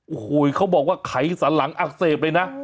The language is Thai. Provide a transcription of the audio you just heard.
โอ้โหเขาบอกว่าไขสันหลังอักเสบเลยนะ